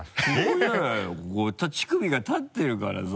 乳首が立ってるからさ。